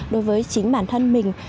đối với chính bản thân mình